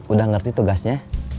udah ngerti tugasnya